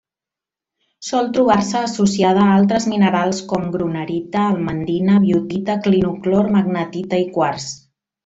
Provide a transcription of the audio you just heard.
Sol trobar-se associada a altres minerals com: grunerita, almandina, biotita, clinoclor, magnetita i quars.